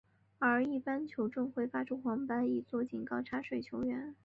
而一般球证会发出黄牌以作警告插水球员。